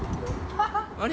あれ？